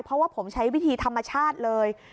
เพราะว่าผมใช้วิธีธรรมชาติเลย